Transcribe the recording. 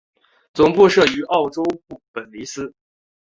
总部设于澳洲布里斯本。